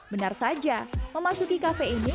benar saja memasuki kafe ini